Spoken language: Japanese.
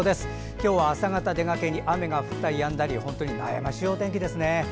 今日は朝方出がけに雨が降ったりやんだり本当に悩ましいお天気ですね。